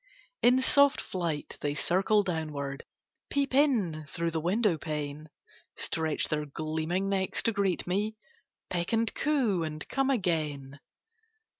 In soft flight, they circle downward, Peep in through the window pane; Stretch their gleaming necks to greet me, Peck and coo, and come again.